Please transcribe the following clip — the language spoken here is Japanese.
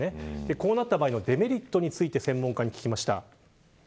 こうなったときのデメリットを専門家に聞きました。